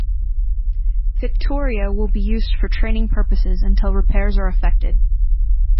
"Victoria" will be used for training purposes until repairs are effected.